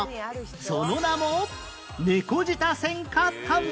その名も